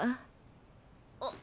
あっ。